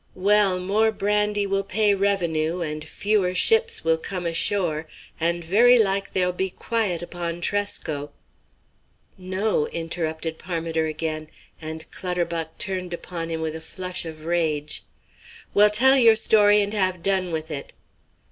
"Well, more brandy will pay revenue, and fewer ships will come ashore, and very like there'll be quiet upon Tresco " "No," interrupted Parmiter again, and Clutterbuck turned upon him with a flush of rage. "Well, tell your story and have done with it!"